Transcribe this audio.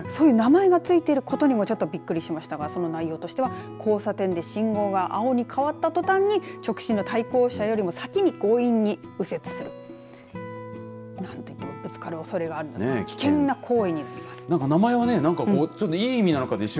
そういう名前が付いていることにもびっくりしましたがその内容としては交差点で信号が青に変わったとたんに直進の対向車よりも先に強引に右折する何といってもぶつかるおそれがある危険な行為になります。